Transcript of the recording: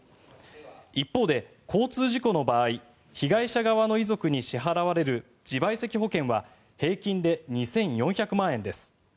一方で、交通事故の場合被害者側の遺族に支払われる自賠責保険は平均で２４００万円です。